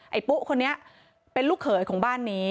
ปุ๊คนนี้เป็นลูกเขยของบ้านนี้